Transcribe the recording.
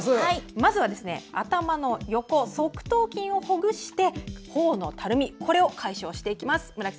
まずは頭の横、側頭筋をほぐしてほおのたるみを解消していきます。